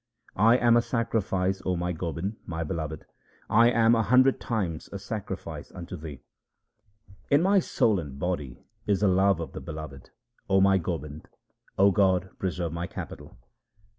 I am a sacrifice, O my Gobind, my Beloved ; I am a hundred times a sacrifice unto Thee. In my soul and body is the love of the Beloved, O my Gobind, O God preserve my capital.